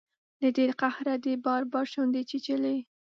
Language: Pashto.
له ډیر قهره دې بار بار شونډې چیچلي